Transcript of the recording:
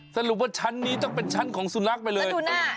สรุปว่าชั้นนี้ต้องเป็นชั้นของสุนัขไปเลย